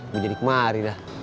gue jadi kemari dah